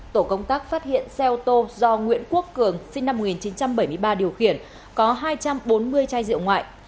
tổ công tác phát hiện xe ô tô do nguyễn quốc cường sinh năm một nghìn chín trăm bảy mươi ba điều khiển có hai trăm bốn mươi chai rượu ngoại